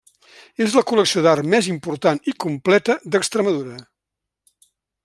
És la col·lecció d'art més important i completa d'Extremadura.